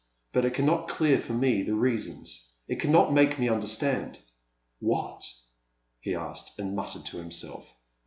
But it can not dear for me the reasons — ^it cannot make me understand *' What? he asked, and muttered to him self.